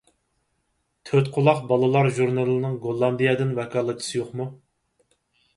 تۆتقۇلاق بالىلار ژۇرنىلىنىڭ گوللاندىيەدىن ۋاكالەتچىسى يوقمۇ؟